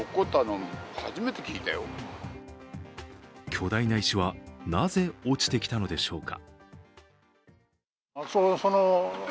巨大な石はなぜ落ちてきたのでしょうか。